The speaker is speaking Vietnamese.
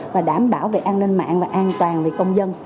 và đảm bảo về an ninh mạng và an toàn về công dân